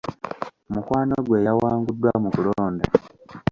Mukwano gwe yawanguddwa mu kulonda.